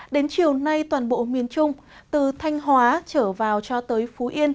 đến chiều nay toàn bộ miền trung từ thanh hóa trở vào cho tới phú yên